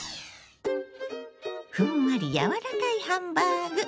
ふんわり柔らかいハンバーグ。